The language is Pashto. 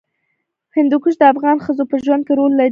هندوکش د افغان ښځو په ژوند کې رول لري.